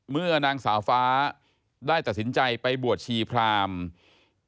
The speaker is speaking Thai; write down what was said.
เมื่อนางสาวฟ้าได้ตัดสินใจไปบวชชีพราม